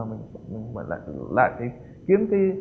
mình lại kiếm